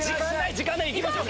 時間ない行きましょう！